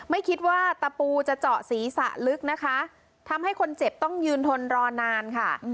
ไม่คิดว่าตะปูจะเจาะศีรษะลึกนะคะทำให้คนเจ็บต้องยืนทนรอนานค่ะ